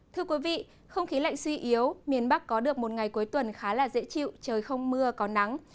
thưa quý vị không khí lạnh suy yếu miền bắc có được một ngày cuối tuần khá là dễ chịu trời không mưa có nắng